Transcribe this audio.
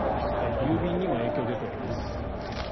郵便にも影響が出ています。